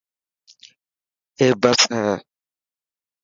اي بس هي.